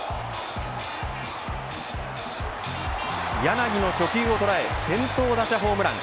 柳の初球を捉え先頭打者ホームラン。